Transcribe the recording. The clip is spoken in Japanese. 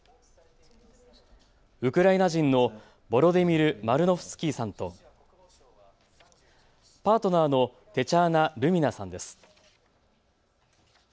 ウクライナ人のヴォロディミル・マルノフスキーさんとパートナーのテチャーナ・ルミナさんです。